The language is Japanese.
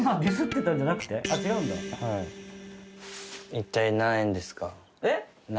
一体何円ですか？